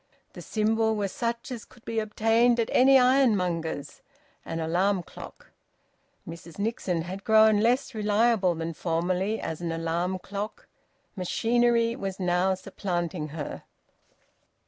The symbol was such as could be obtained at any ironmonger's: an alarm clock. Mrs Nixon had grown less reliable than formerly as an alarm clock; machinery was now supplanting her.